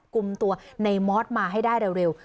กลุ่มตัวในมอสมาให้ได้เร็ว